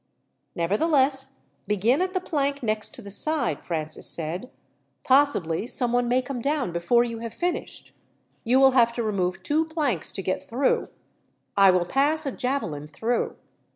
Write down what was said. "Nevertheless, begin at the plank next to the side," Francis said. "Possibly someone may come down before you have finished. You will have to remove two planks to get through. I will pass a javelin through.